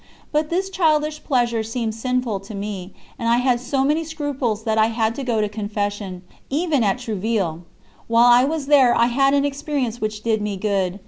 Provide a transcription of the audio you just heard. But this childish pleasure seemed sinful to me, and I had so many scruples that I had to go to Confession, even at Trouville. While I was there I had an experience which did me good.